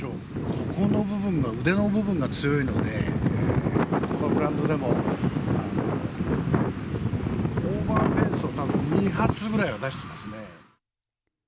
ここの部分が、腕の部分が強いので、このグラウンドでも、オーバーフェンスはたぶん２発ぐらいは出してますね。